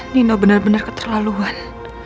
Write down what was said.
nino benar benar keterlaluan